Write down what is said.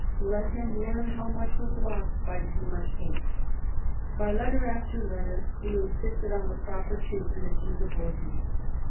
Let him learn how much was lost by too much haste. By letter after letter he insisted on the proper treatment of Ingeborgis.